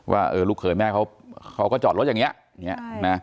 ว่าลูกเขยแม่เขาก็จอดรถอย่างนี้นะ